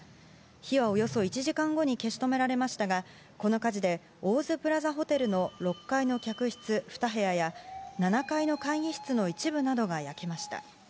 火は、およそ１時間後に消し止められましたがこの火事でオオズプラザホテルの６階の客室２部屋や７階の会議室の一部などが焼けました。